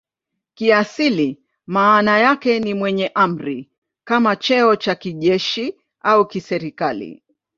Kiasili maana yake ni "mwenye amri" kama cheo cha kijeshi au kiserikali.